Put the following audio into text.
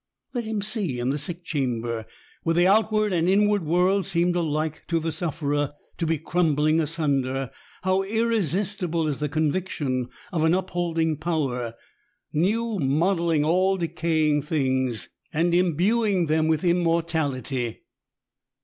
Let him see in the sick chamber, where the outward and inward world seem alike to the sufferer to be crumbling asunder, how irresistible is the conviction of an upholding power, new modelling all decaying things, and imbuing them POWER OP IDEAS IN THE SICK ROOM. 173 with immortality.